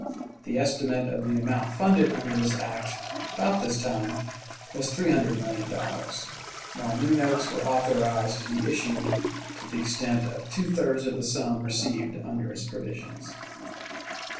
The estimate of the amount funded under this act, about this time, was three hundred million dollars, while new notes were authorized to be issued to the extent of two thirds of the sum received under its provisions.